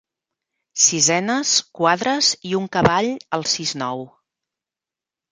Sisenes, quadres i un cavall al sis-nou.